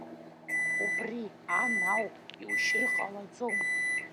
Убри ан ауп иушьыр ҟалаӡом!